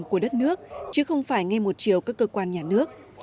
của đất nước chứ không phải nghe một chiều các cơ quan nhà nước